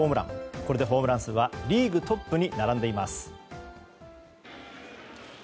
これでホームラン数はリーグトップに並んでいます。